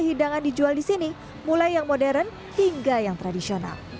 hidangan dijual di sini mulai yang modern hingga yang tradisional